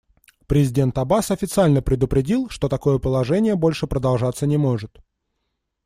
Президент Аббас официально предупредил, что такое положение больше продолжаться не может.